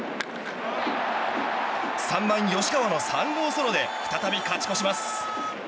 ３番、吉川の３号ソロで再び勝ち越します。